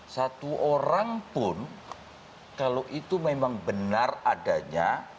satu orang pun kalau itu memang benar adanya